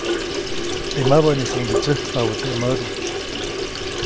Teʼ mäbäʼnisuŋde tsyäjkpabä teʼ mädu.